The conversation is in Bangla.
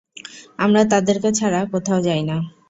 আমরা তাদেরকে ছাড়া কোথাও যাই না।